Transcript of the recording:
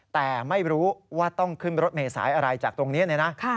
แต่ไม่รู้ว่าต้องขึ้นรถเมษายอะไรจากตรงนี้เนี่ยนะ